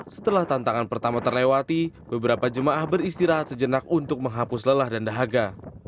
setelah tantangan pertama terlewati beberapa jemaah beristirahat sejenak untuk menghapus lelah dan dahaga